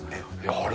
あれ？